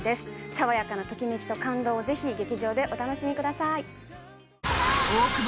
爽やかなときめきと感動をぜひ劇場でお楽しみください。